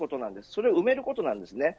それを埋めることなんですね。